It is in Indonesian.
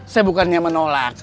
saya bukannya menolak